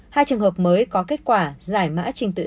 hai trường hợp mới có kết quả giải mã trình tự